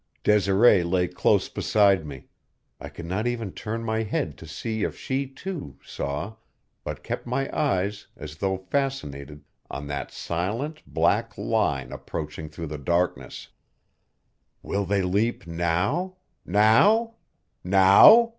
Desiree lay close beside me; I could not even turn my head to see if she, too, saw, but kept my eyes, as though fascinated, on that silent black line approaching through the darkness. "Will they leap now now now?"